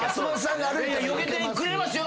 よけてくれますよ。